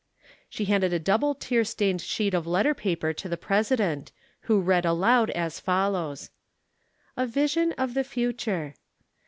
She handed a double tear stained sheet of letter paper to the President, who read aloud as follows: A VISION OF THE FUTURE.